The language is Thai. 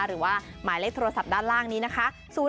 หรือว่าหมายเลขโทรศัพท์ด้านล่างนี้นะคะ